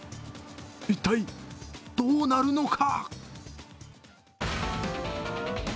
一体どうなるのか？